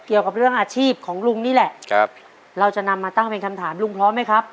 เกี่ยวกับเรื่องอาชีพของลุงนี่แหละครับเราจะนำมาตั้งเป็นคำถามลุงพร้อมไหมครับ